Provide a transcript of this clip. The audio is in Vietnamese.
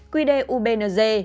quy đề ubnz